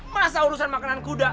masa urusan makanan kuda